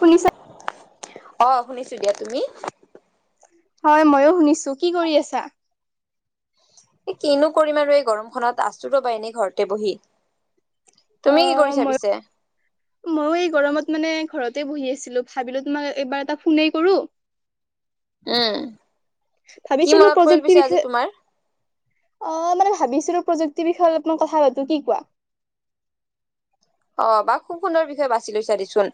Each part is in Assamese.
শুনিছা? অ শুনিছোঁ দিয়া তুমি হয় মইও শুনিছো কি কৰি আছা এই কিনো কৰিম আৰু এই গৰমখনত আছো ৰ'বা এনেই ঘৰতে বহি অ তুমি কি কৰিছা মই পিছে মইও এই গৰমত মানে ঘৰত ততে বহি আছিলো ভাবিলো তোমাক এবাৰ এটা ফোনে কৰো এ ভাবিছিলো প্ৰযুক্তিৰ বিষয়ে অ মানে ভাবিছিলো প্ৰযুক্তিৰ বিষয়ে অপমান কথা পাতো কি কোৱা অ বা খুব সুন্দৰ বিষয়ে বাছি লৈছা দেচোন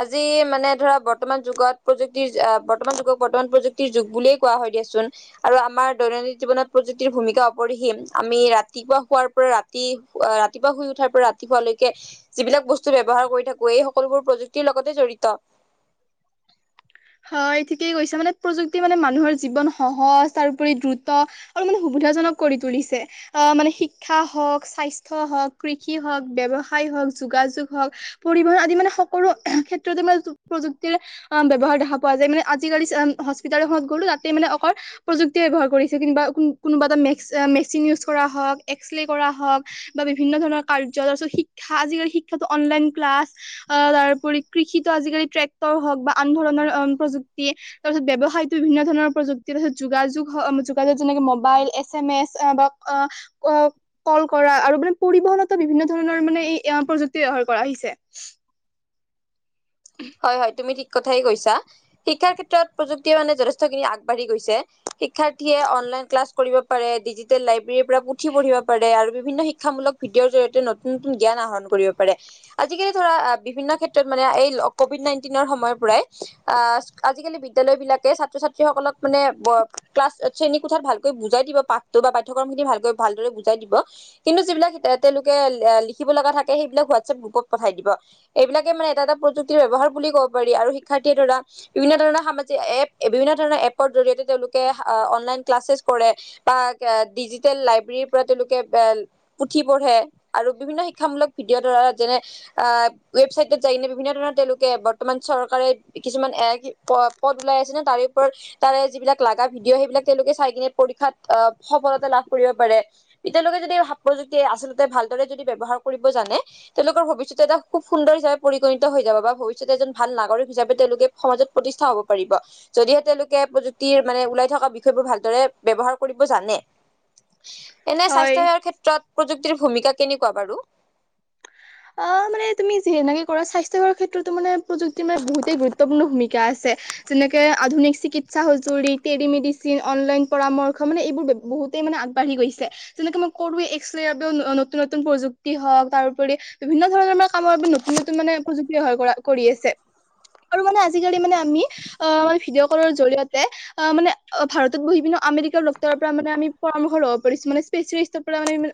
আজি মানে ধৰা বৰ্তমান যুগত প্ৰযুক্তি বিতমান প্ৰযুক্তিৰ যগ বুলিয়ে কোৱা হয় দিয়াচোন আৰু আমাৰ দৈনন্দিন জীৱত প্ৰুক্তিৰ ভূমিকা অপৰিহীম আমি ৰাতিপুৱা শোৱাৰ পৰা ৰাতি ৰাতিপুৱা শুই উঠাৰ পৰা ৰাতিপুৱালৈকে যিবিলাক বস্তু ব্যৱহাৰ কৰি থাকো এই সকলোবোৰ প্ৰযুক্তিৰ লগতে জড়িত। [unintelligible] হয় ঠিকেই কৈছা। মানে প্ৰযুক্তি মানে মানুহৰ জীৱন সহজ তাৰপৰি দ্ৰুত আৰু মানে সুবিধা- জনক কৰি তুলিছে। অ মানে শিক্ষা হওঁক, স্বাস্থ্য হওঁক, কৃষি হওঁক, ব্যৱসায় হওঁক- যোগাযোগ হওঁক, পৰিবহন আদি মানে সকলো ক্ষেত্ৰতে মানে প্ৰযুক্তিৰ অ ব্যৱহাৰ দেখা- পোৱা যায়। মানে আজিকালি হস্পিতাল এখনত গ'লো তাতে মানে অকল প্ৰযুক্তি ব্যৱহাৰ কৰিছে। কোনোবা তাৰে- মেচিন উচ কৰা হওঁক, এক্ৰ কৰা হওঁক বা বিভিন্ন ধৰণৰ কাৰ্য তাৰপাছত শিক্ষা আজিকালি- শিক্ষাতো অনলাইন ক্লাছ তাৰপৰি- প্ৰুক্তি তাৰপিছত্ ব্যৱসায়তো বিভিন্ন ধৰণৰ প্ৰযুক্তি তাৰপিছত যোগাযোগ যোগাযোগ যেনেকে মোবাইল এছ এ- মেচ বা অ কল কৰা আৰু মানে পৰিবহনটো বিভিন্ন ধৰণৰ মানে এই আ- প্ৰযুক্তি ব্যৱহাৰ কৰা আহিছে। হয় হয় তুমি ঠিক কথাই কৈছা। শিক্ষাৰ ক্ষেত্ৰত প্ৰযুক্তিয়ে মানে যথেষ্টখিনি আগবাঢ়ি গৈছে। শিক্ষাৰ্থীয়ে অনলাইন ক্লাছ কৰিব পাৰে ডিজিটেল লাইব্ৰেৰীৰ পৰা পুথি পঢ়িব পাৰে আৰু- বিভিন্ন শিক্ষামূলক ভিডিঅৰ জৰিয়তে নতুন নতুন জ্ঞান আহৰণ কৰিব পাৰে। আজিকালি ধৰা বিভিন্ন ক্ষেত্ৰত মানে- এই কভিদ নায়িন্তিনৰ সময় পৰাই আ আজিকালি বিদ্যালয় বিলাকে ছাত্ৰ-ছাত্ৰী সকলক- মানে ব ক্লাছ- শ্ৰেণী কোঠাত ভালকৈ বুজাই দিব পাঠটো বা পাঠ্যক্ৰম খিনি ভালকৈ ভালদৰে বুজাই দিব। কিন্তু যিবিলাক তেওঁলোকে- লিখিব লগা থাকে সেইবিলাক ৱাটচএপ গ্ৰপত পথায় দিব। এইবিলাকে মানে এটা এটা- প্ৰযুক্তিৰ ব্যৱহাৰ বুলি ক'ব পাৰি। আৰু শিক্ষাৰ্থীয়ে ধৰা বিভিন্ন ধৰণৰ সামাজিক এপ, বিভিন্ন ধৰণৰ এপৰ জৰিয়তে তেওঁলোকে- অনলাইন ক্লাছেছ কৰে। বা ডিজিটেল লাইব্ৰেৰীৰ পৰা তেওঁলোকে এ পুথি পঢ়ে আৰু বিভিন্ন শিক্ষামূলক ভ- [unintelligible] যেনে ৱেবচাইটত যায় কিনে বিভিন্ন ধৰণৰ- তেওঁলোকে বৰ্তমান চৰকাৰে কিছুমান পদ ওলাই আছে নে তাৰে ওপৰত তাৰে যিবিলাক লাগে- তাৰ ভিডিঅ সেইবিলাক তেওঁলোকে কিনে পৰীক্ষাত অ সফলতা লাভ কৰিব পাৰে। এতিয়ালৈকে যদি [unintelligible] আচলতে ভালদৰে যদি ব্যৱহাৰ কৰিব জানে তেওঁলোকৰ ভৱিষ্যৎ এটা খুব সুন্দৰ হিচাবে পৰিগণিত হৈ যাব বা- ভৱিষ্যতে এজন ভাল নাগৰিক হিচাপে তেওঁলোকে সমাজত প্ৰতিষ্ঠা হব পাৰিব। যদিহে তেওঁলোকে প্ৰযুক্তিৰ মানে- লৈ থকা বিষয়বোৰ ভালদৰে ব্যৱহাৰ কৰিব জানে। এনে হয় স্বাস্থ্য সেৱাৰ ক্ষেত্ৰত প্ৰযুক্তিৰ ভূমিকা কেনেকুৱা বাৰু? অ মানে তুমি যেনেকে কৰা স্বাস্থ্য সেৱাৰ ক্ষেত্ৰতো মানে প্ৰযুক্তিৰ মানে বহুতেই গুৰুত্বপূৰ্ণ ভূমিকা আছে। যেনেকে আধুনিক চিকিৎসা সজৰি টেলিমেডিচিন অনলাইন পৰামৰ্শ মানে এইবোৰ বহুত- গোটেই মে আগবাঢ়ি গৈছে। যেনেকে মই কৰোৱে এক্ৰ বাবে নতুন নতুন প্ৰযুক্তি হওক তাৰোপৰি- বিভিন্ন ধৰণৰ মান কামৰ বাবে নতুন নতুন মানে প্ৰযুক্তিয়ে কৰি আছে। আৰু মানে আজিকালি মানে আমি অ ম ভিডিঅ' কলৰ জৰিয়তে অ মানে ভাৰতত বহি পি- আমেৰিকা ডক্তৰৰ পৰা মানে আমি পৰামৰ্শ লব পাৰিছো। মানে স্পেয়েলিষ্টৰ পৰা মানে আমি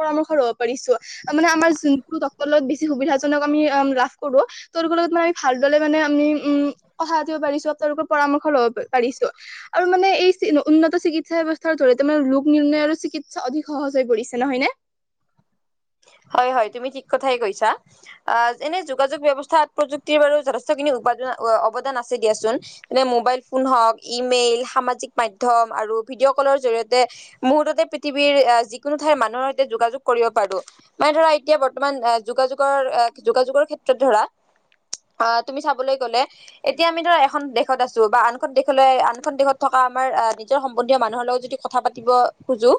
পৰামৰ্শ ল'ব পাৰিছোঁ। মানে আমাৰ যোন- [unintelligible] লগত বেছি সুবিধাাজনক আমি অ লাভ কৰো। তেওঁলোকৰ লগত মানে আমি ভালদৰে মানে আমি উম- কথা পাতিব পাৰিছো। তেওঁলোকৰ পৰামৰ্শ ল'ব পাৰিছো আৰু মানে এই উন্নত চিকিৎসা ব্যৱস্থা জৰিয়তে মানে লোক- নিৰ্ণয় আৰু চিকিৎসা অধিক সহজ হৈ পৰিছে নহয়নে। হয় হয় তুমি ঠিক- কথাই কৈছা। আহ এনে যোগাযোগ ব্যয়ৱস্থাত প্ৰযুক্তিৰ বাৰু যথেষ্টখিনি উৰ্পাজনৰ অৱদান আছে- দিয়াচোন যেনে মোবাইল ফোন হ'ক, ইমেইল, সামাজিক মাধ্যম আৰু ভিডিঅ' কলৰ জৰিয়তে- মুহুৰ্ততে পৃথিৱীৰ যিকোনো ঠাইৰ মানুহৰ সৈতে যোগাযোগ কৰিব পাৰো। মানে ধৰা এতিয়া বৰ্তমান যোগাযোগৰ যোগাযোগৰ ক্ষেত্ৰত ধৰা- অ তুমি চাবলৈ গলে এতিয়া আমি ধৰা এখন দেশত আছো বা আনখন দেশলৈ আনখন দেশত থকা- বা আমাৰ নিজৰ সম্বন্ধীয় মানুহৰ লগত যদি কথা পাতিব খোজো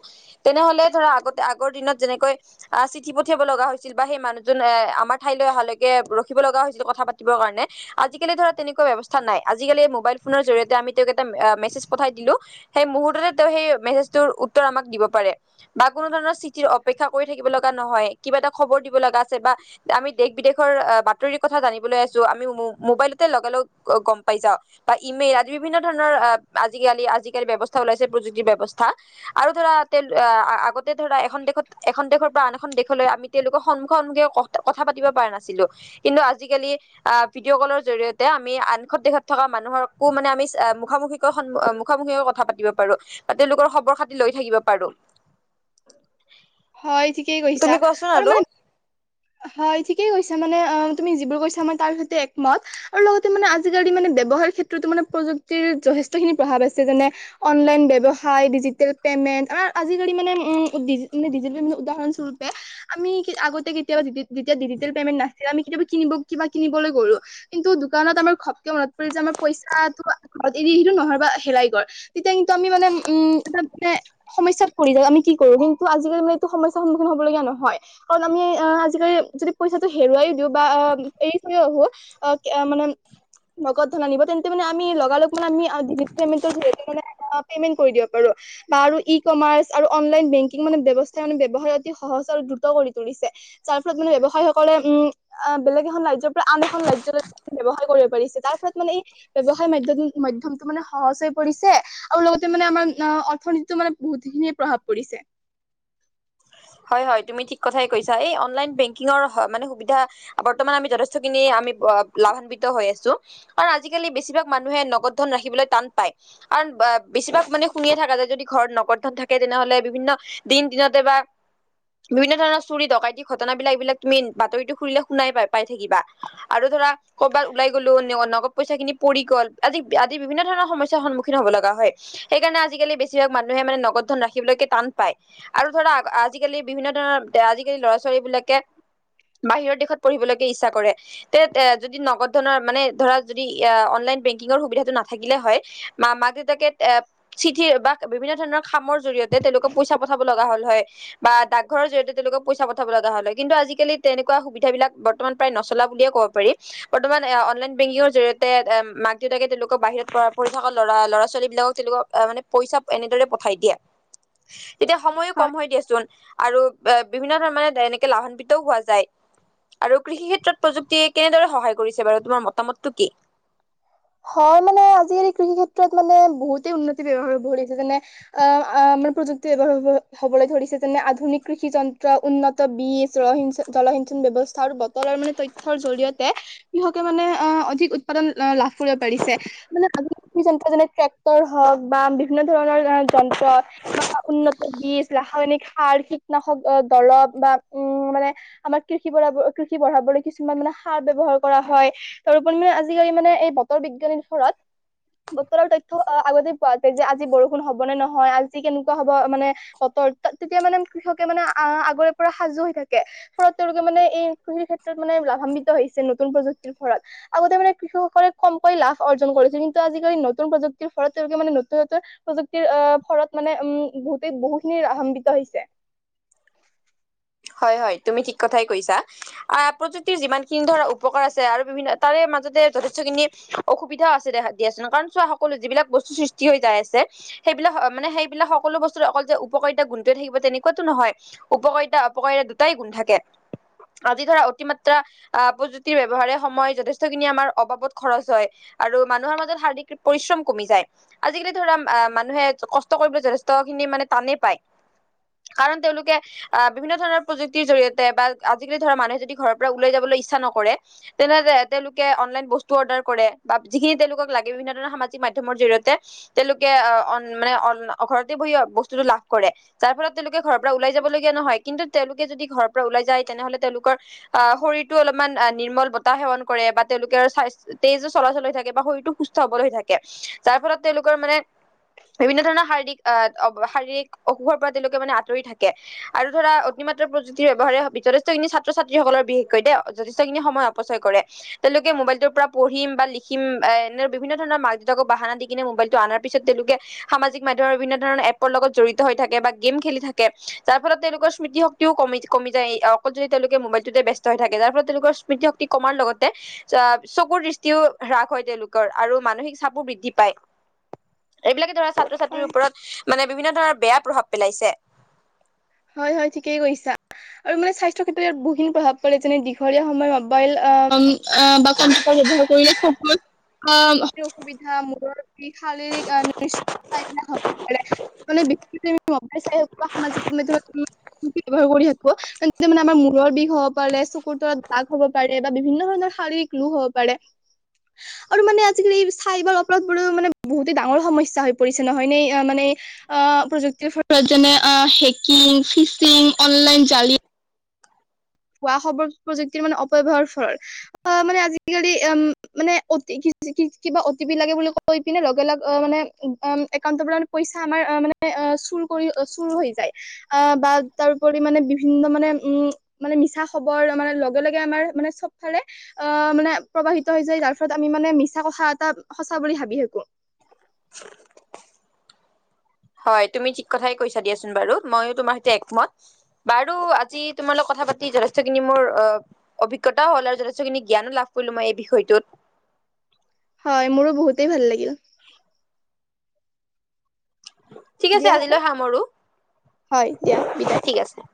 তেনেহ'লে ধৰা আগতে আগৰ দিনত যেনেকৈ- অ চিঠি পঠিয়াব লগা হৈছিল বা সেই মানুহজন এ আমাৰ ঠাইলৈ অহালৈকে ৰখিব লগা হৈছিল কথা পাতিব- কাৰণে আজিকালি ধৰা তেনেকুৱা ব্যৱস্থা নাই। আজিকালি মোবাইল ফোনৰ জৰিয়তে আমি তেওঁক এটা মেছেজ পঠাই দিলো- সেই মুহূুৰ্ততে তেওঁ সেই মেছেজটোৰ উত্তৰ আমাক দিব পাৰে বা কোনো ধৰণৰ চিঠিৰ অপেক্ষা- কৰি থাকিব লগা নহয়। কিবা এটা খবৰ দিব লগা আছে বা আমি দেশ বিদেশৰ বাতৰিৰ কথা জানিবলৈ আছো- আমি মোবাইলতে লগা লগ গম পাই যাও। বা ইমেইল আদি বিভিন্ন ধৰণৰ আজিকালি- আজিকালি ব্যৱস্থা ওলাইছে প্ৰযুক্তি ব্যৱস্থা, আৰু ধৰা তে আ-আ-আগতে ধৰা এখন দেশত এখন দেশৰ পৰা আন এখন দেশলৈ আমি তেওঁলোকৰ সন্মুখা সন্মুখিকে ক-কথা পাতিবা পাৰা নাছিলো, কিন্তু আজিকালি আ ভিডিঅ ক'লৰ জৰিয়তে আমি আনখন দেশত থকা মানুহকো মানে আমি আ মুখা-মুখিকৈ সন মুখা-মুখিকৈ কথা পাতিবা পাৰো, বা তেওঁলোকৰ খবৰ-খাতি লৈ থাকিবা পাৰো। হয় ঠিকেই কৈছা, তুমি কোৱাচোন আৰু মানে হয় ঠিকেই কৈছো মানে আ, তুমি যিবোৰ কৈছা মই তাৰ সৈতে একমত আৰু লগতে মানে আজিকালি মানে দে বহাৰ ক্ষেত্ৰতো মানে প্ৰযুক্তিৰ যথেষ্টখিনি প্ৰভাৱ আছে যেনে, অনলাইন ব্যৱসায়, ডিজিটেল পেমেন্ট আ আজিকালি মানে উ কেতিয়াবা যেতিয়া ডিজিটেল পেমেণ্ট নাছিল আমি কিতিয়াবা কিনিব কিবা কিনিবলৈ গলো, কিন্তু দোকানত আমাৰ ঘপকে মনত যে আমাৰ পইচাটো ঘৰত এৰি আহিলো নহলে বা হেৰাই গল। তেতিয়া কিন্তু আমি মানে উম, এ নে সমস্যাত পৰি যায় আমি কি কৰো, কিন্তু আজিকালি মানে এইটো সমস্যাৰ সন্মুখীন হব লগীয়া, কাৰণ আমি আহ, আজিকালি যদি পইচাটো হেৰুৱাই দিওঁ বা এৰি থৈও আহো অ' মানে নগদ ধন আনিব, তেন্তে মানে আমি লগা লগ মানে আমি [unintelligible] জৰিয়তে মানে পেমেণ্ট কৰি দিব পাৰো। বা আৰু ই কমাৰ্চ আৰু অনলাইন বেংকিং মানে ব্যৱস্থাই মান ব্যৱসায়ত অতি সহজ আৰু দ্ৰুত কৰি তুলিছে। যাৰ ফলত মানে ব্যৱসায়ী সকলে উম, আ বেলেগ এখন ৰাজ্যৰ পৰা আন এখন ৰাজ্যলৈ ব্যৱসায় কৰিব পাৰিছে। তাৰ ফলত মানে এই ব্যৱসায় মাধ্য -মধ্যমটো মানে সহজ হৈ পৰিছে আৰু লগতে মানে আমাৰ অ অৰ্থনীতিতো মানে বহুতখিনিয়ে প্ৰভাৱ পৰিছে। হয় হয়, তুমি থিক কথাই কৈছা। এই অনলাইন বেংকিংৰ হ' মানে সুবিধা বৰ্তমান আমি যথেষ্টখিনি আমি ব লাভান্বিত হৈ আছো আৰু আজিকালি বেছিভাগ মানুহে নগদ ধন ৰাখিবলৈ টান পায় কাৰণ বা বেছিভাগ মানে শুনিয়ে থাকা যায় যদি ঘৰত নগদ ধন থাকে তেনেহলে বিভিন্ন দিন- দিনতে বা বিভিন্ন ধৰণৰ চুৰি -ডকাইতি ঘটনাবিলাক এইবিলাক তুমি বাতৰিতো খুলিলে শুনাই পাই- পাই থাকিবা আৰু আৰু ধৰা কবাত ওলাই গ'লো নগদ পইচা খিনি পৰি গ'ল আদি -আদি বিভিন্ন ধৰণৰ সমস্যাৰ সন্মুখীন হব লগা হয়। সেইকাৰণে আজিকালি বেছিভাগ মানুহে মানে নগদ ধন ৰাখিবলৈকে টান পায় আৰু ধৰা আ আজিকালি বিভিন্ন ধৰণৰ আজিকালি ল'ৰা- ছোৱালী বিলাকে বাহিৰৰ দেশত পঢ়িবলৈকে ইচ্ছা কৰে তে এ' যদি নগদ ধনৰ মানে ধৰা যদি এ' অন লাইন বেংকিংৰ সুবিধাটো নাথাকিলে হয় মা-মাক -দেউতাকে এ' চিঠি বা বিভিন্ন ধৰণৰ খামৰ জৰিয় জৰিয়তে তেওঁলোকক পইচা পঠাব লগা হ'ল হয়। বা ডাকঘৰৰ জৰিয়তে তেওঁলোকক পইচা পঠাব লগা হ'ল হয় কিন্তু, আজিকালি তেনেকুৱা সুবিধাবিলাক বৰ্তমান প্ৰায় নচলা বুলিয় ক পাৰি, বৰ্তমান এয়া অনলাইন বেংকিংৰ জৰিয়তে এম মাক -দেউতাকে তেওঁলোকক বাহিৰত পঢ়া- পঢ়ি থকা লৰা ল'ৰা -ছোৱালীবিলাকক তেওঁলোকক মানে পইচা এনেদৰে পঠাই দিয়ে। তেতিয়া সময়ো কম হয় দিয়াচোন আৰু এ' বিভিন্ন ধৰনৰ মানে এনেকে লাভান্বিতও হোৱা যায়। আৰু কৃষি ক্ষেত্ৰত প্ৰযুক্তিয়ে কেনেদৰে সহায় কৰিছে বাৰু তোমাৰ মতামতটো কি? হয়, মানে আজিকালি কৃষি ক্ষেত্ৰত মানে বহুতে উন্নতি ব্যৱহাৰ [unintelligible] যেনে অ প্ৰযুক্তি ব্যৱহাৰ হব-হবলৈ ধৰিছে যেনে আধুনিক কৃষি যন্ত্ৰ, উন্নত বীজ, ৰহ জল ব্যৱস্থা আৰু বতৰৰ মানে তথ্যৰ জৰিয়তে কৃষকে মানে অহ অধিক উৎপাদন লাভ কৰিব পাৰিছে। মানে [unintelligible] যন্ত্ৰ যেনে ট্ৰেক্টৰ হওক বা বিভিন্ন ধৰণৰ যন্ত্ৰ বা উন্নত বীজ, ৰাসায়নিক সাৰ, কীটনাশক অহ দৰৱ বা উম মানে আমাৰ কৃষি বঢ়াব কৃষি বঢ়াবলৈ কিছুমান মানে সাৰ ব্যৱহাৰ কৰা হয তাৰ ওপৰি মানে আজিকালি মানে এই বত তৰ বিজ্ঞানীৰ ফলত বতৰৰ তথ্য আ -আগতে পোৱা যায় যে আজি বৰষুণ হব নে নহয় আজি কেনেকুৱা হ'ব মানে বতৰ তেতিয়া মানে কৃষকে মানে আ, আগৰে পৰা সাজু হৈ থাকে ফলত তেওঁলোকে মানে এই কৃষিৰ ক্ষেত্ৰত মানে লাভান্বিত হৈছে নতুন -প্ৰযুক্তি ৰ ফলত। আগতে মানে কৃষকসকলে কমকৈ লাভ অৰ্জন কৰিছিল কিন্তু আজিকালি নতুন প্ৰযুক্তিৰ ফলত তেওঁলোকে মানে নতুন -নতুন প্ৰযুক্তিৰ অহ ফলত মানে উম বহুতে- বহুখিনি লভান্বিত হৈছে। হয় -হয়, তুমি ঠিক কথাই কৈছা। আ'প্ৰযুক্তিৰ যিমানখিনি ধৰা উপকাৰ আছে আৰু বিভিন্ন তাৰে মা যাতে যথেষ্ট খিনি অসুবিধাও আছে দেখা দিয়াচোন কাৰণ চোৱা, সকলো যিবিলাক বস্তু সৃষ্টি হৈ যায় আছে সেইবিলাক মানে সেইবিলাক সকলো বস্তুৰে অকল যে উপকাৰিতা গুণটোৱে থাকিব তেনেকুৱাতো নহয়, উপকাৰিতা উপকাৰীৰে দুটাই গুণ থাকে। আজি ধৰা অতিমাত্ৰা আহ প্ৰযুক্তিৰ ব্যৱহাৰে সময় যথেষ্টখিনি আমাৰ অবাবত খৰচ হয় আৰু মানুহৰ মাজত শাৰীৰিক পৰিশ্ৰম কমি যায় আজিকালি ধৰা আ' মানুহে কষ্ট কৰিবলৈ যথেষ্ট নি মানে তানে পায় কাৰণ তেওঁলোকে অহ বিভিন্ন ধৰণৰ প্ৰযুক্তিৰ জৰিয়তে বা আজিকালি ধৰা মানুহে যদি ঘৰৰ পৰা উলাই যাবলৈ ইচ্ছা নকৰে তেনেতে তেওঁলোকে অনলাইন বস্তু অৰ্ডাৰ কৰে বা যিখিনি তেওঁলোকক লাগে বিভিন্ন ধৰৰ সামাজিক মাধ্যমৰ জৰি়য়তে তেওঁলোকে [unintelligible] মানে ঘৰতে বহি বস্তুটো লাভ কৰে যাৰ ফলত তেওঁলোকে ঘৰৰ পৰা ওলাই যাবলগীয়া নহয়। কিন্তু তেওঁলোকে যদি ঘৰৰ পৰা ওলাই যায় তেনেহলে তেওঁলোকৰ অহ, শৰীৰতো অলপমান নিৰ্মল বতাহ সেৱন কৰে বা তেওঁলোকে স্বাস তেজো চলাচল হৈ থাকে। বা শৰীৰটো সুস্থ হবল হৈ থাকে যাৰ ফলত তেওঁলোকৰ মানে বিভিন্ন ধৰণৰ শাৰীৰিক আহ শাৰীৰিক অসুখৰ পৰা তেওঁলোকে মানে আঁতৰি থাকে আৰু ধৰা অতিমাত্ৰা প্ৰযুক্তিৰ ব্যৱহাৰে বিতদেষ্টখিনি ছাত্ৰ-ছাত্ৰীসকলৰ বি [unintelligible] যথেষ্ট খিনি সময় অপচয় কৰে তেওঁলোকে মোবাইল পৰা পঢ়িম বা লিখিম এনে বিভিন্ন ধৰণৰ মাক -দেউতাকক বাহানা দি কিনে মবাইলটো আনাৰ পিছত তেওঁলোকে সা সামাজিক মাধ্যমৰ বিভিন্ন ধৰণৰ এপৰ লগত জডিত হৈ থাকে বা গেম খেলি থাকে যাৰ ফলত তেওঁলোক। স্মৃতিশক্তিও কমি কমি যায় অকল যদি তেওঁলোকে মোবাইলটোতে ব্যস্ত হৈ থাকে যাৰ ফলত তেওঁলোকৰ স্মৃতিশক্তি কমাৰ লগত। তে চকুৰ দৃষ্টিও হাস হয় তেওঁলোকৰ আৰু মানসিক চাপো বৃদ্ধি পায়। এইবিলাকে ধৰা ছাত্ৰ ছাত্ৰীৰ হয় ওপৰত মানে বিভিন্ন ধৰণৰ বেয়া প্ৰভাৱ পেলাইছে। হয় হয় ঠিকেই কৈছা। আৰু মানে স্বাস্থ্যৰ ক্ষেত্ৰত ইয়াত বহুখিনি প্ৰভাৱ পৰে যেনে দীঘলীয়া সময়ত মবাইল বা কম্পিউটাৰ। দেহ কৰিলে চকুত। অ স অসুবিধা মূৰৰ শাৰীৰিক নিলাক হব পাৰে মানে। সম্পাইছাই সামাজিক মাধ্যমত। ব্যৱহাৰ কৰি থাকো মানে আমাৰ মূৰৰ বিষ হব পাৰে চকুৰ তলত দাক হব পাৰে বা বিভিন্ন ধৰণৰ। শাৰীৰিক লু হব পাৰে। আৰু মানে আজিকালি চাইবাৰ অপৰাধ বোৰো মানে বহুতে ডাঙৰ সমস্যা হৈ পৰিছে নহয় ন মানে। অঁ প্ৰযুক্তিৰ ফলত যেনে হেকিং ফিচিং অনলাইন জালি। হোৱা সব প্ৰযুক্তিৰ মানে অপব্যয়ৱহাৰ ফল আহ মানে আজিকালি উ মানে অতি। কিবা অ' টি পি লাগে বুলি কৈ পিনে লগে লগ অ মানে উম একাউণ্টৰ পৰাে পইচা আমাৰ অ মানে। চুৰ কৰি চুৰ হৈ যায় আহ বা তাৰপৰি মানে বিভিন্ন মানে উম। মানে মিছা খবৰ মানে লগে লগে আমাৰ মানে চবফালে অ মানে প্ৰবাহিত হৈ যায় তাৰফত আমি। মানে মিছা কথা এটা সঁচা বুলি ভাবি থাকো। হয় তুমি ঠিক কথাই কৈছা দিয়াচোন বাৰু মইো তোমাৰ সৈতে একমত বাৰু আজি তোমাৰ লগ ক। কথা পাতি যথেষ্টখিনি মোৰ অ অভিজ্তাও হ'ল আৰু যথেষ্টখিনি জ্ঞানো লাভ কৰিলো মই এই বিষয়টোত। হয় মোৰো বহুতেই ভাল লাগিল। ঠিক আছে দিয়া আজিলৈ সমৰো হয় দিয়া বিদায় আৰু ঠিক আছে।